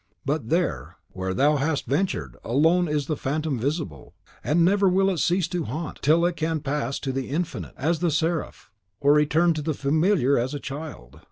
But there, where thou hast ventured, alone is the Phantom VISIBLE; and never will it cease to haunt, till thou canst pass to the Infinite, as the seraph; or return to the Familiar, as a child!